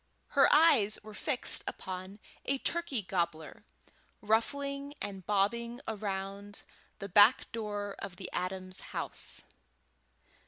Her eyes were fixed upon a turkey gobbler ruffling and bobbing around the back door of the Adams house.